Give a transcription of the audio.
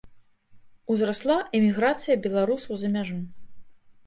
Узрасла эміграцыя беларусаў за мяжу.